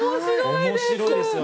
面白いです！